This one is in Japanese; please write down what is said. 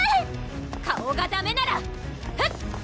顔がダメならフッ！